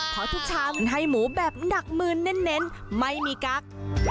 เพราะทุกชามให้หมูแบบหนักมืนเน้นไม่มีกั๊ก